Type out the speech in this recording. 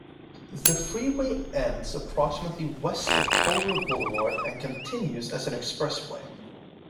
The freeway ends approximately west of Culver Boulevard, and continues as an expressway.